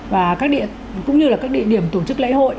và các địa cũng như là các địa điểm tổ chức lễ hội